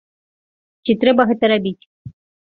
Ці трэба гэта рабіць?